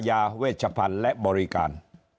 เวชพันธุ์และบริการ